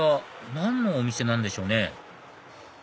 何のお店なんでしょうね？